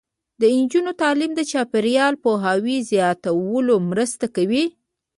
د نجونو تعلیم د چاپیریال پوهاوي زیاتولو مرسته کوي.